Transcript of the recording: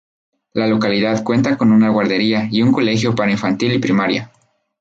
La localidad cuenta con una guardería y un colegio para infantil y primaria.